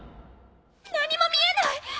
何も見えない！